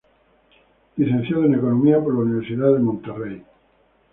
Licenciado en Economía por la Universidad de Monterrey.